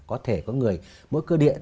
có thể có người mỗi cơ địa